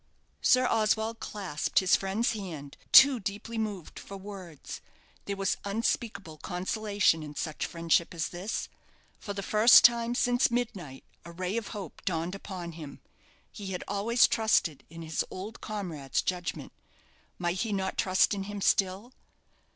Sir Oswald clasped his friend's hand, too deeply moved for words. There was unspeakable consolation in such friendship as this. For the first tame since midnight a ray of hope dawned upon him. He had always trusted in his old comrade's judgment. Might he not trust in him still?